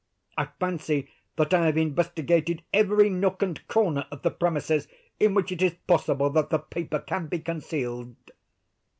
I fancy that I have investigated every nook and corner of the premises in which it is possible that the paper can be concealed."